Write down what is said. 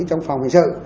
trong phòng hình sự